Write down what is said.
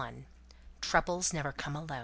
"TROUBLES NEVER COME ALONE."